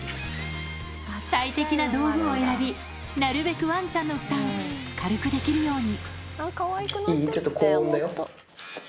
最適な道具を選び、なるべくわんちゃんの負担、軽くできるように。